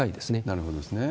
なるほどですね。